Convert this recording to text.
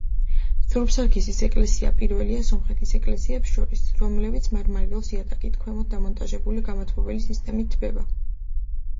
სურბ-სარქისის ეკლესია პირველია სომხეთის ეკლესიებს შორის, რომელიც მარმარილოს იატაკის ქვემოთ დამონტაჟებული გამათბობელი სისტემით თბება.